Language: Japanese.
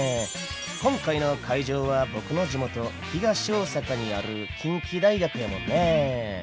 今回の会場は僕の地元東大阪にある近畿大学やもんね。